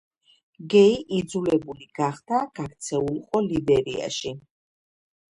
გეი იძულებული გახდა გაქცეულიყო ლიბერიაში.